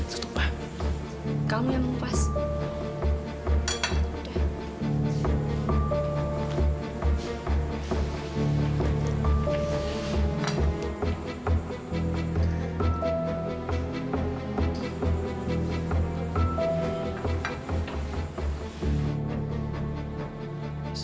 kamu yang ngupas